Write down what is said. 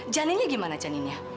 janinnya gimana janinnya